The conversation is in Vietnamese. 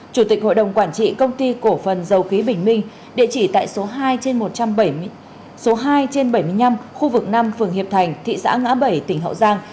chủ tịch hội đồng quản trị công ty cổ phần dầu khí bình minh địa chỉ tại số hai trên bảy mươi năm khu vực năm phường hiệp thành thị xã ngã bảy tỉnh hậu giang